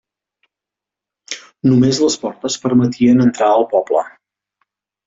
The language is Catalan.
Només les portes permetien entrar al poble.